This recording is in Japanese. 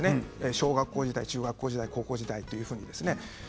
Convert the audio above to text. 小学校時代、中学校時代高校時代というふうに。